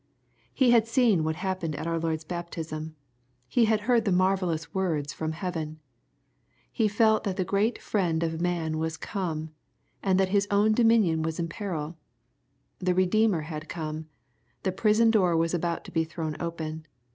He had seen what happened at our Lord's baptism. He had heard the marvellous words from heaven. He felt that the great Friend of man was come, and that his own do minion was in peril. The Kedeemer had come. The prison door was about to be thrown open.